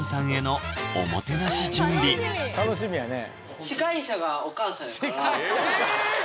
楽しみやね